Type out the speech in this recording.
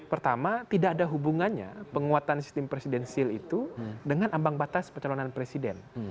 pertama tidak ada hubungannya penguatan sistem presidensil itu dengan ambang batas pencalonan presiden